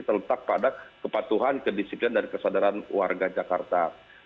terletak pada kepatuhan kedisiplinan dan kesadaran warga jakarta